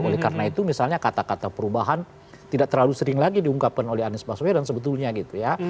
oleh karena itu misalnya kata kata perubahan tidak terlalu sering lagi diungkapkan oleh anies baswedan sebetulnya gitu ya